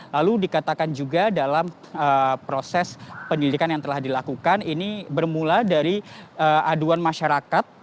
lalu dikatakan juga dalam proses penyelidikan yang telah dilakukan ini bermula dari aduan masyarakat